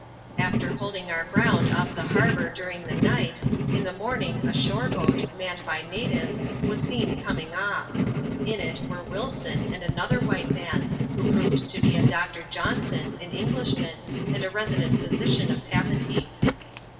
After holding our ground off the harbour during the night, in the morning a shore boat, manned by natives, was seen coming off. In it were Wilson and another white man, who proved to be a Doctor Johnson, an Englishman, and a resident physician of Papeetee.